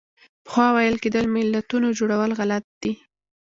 پخوا ویل کېدل ملتونو جوړول غلط دي.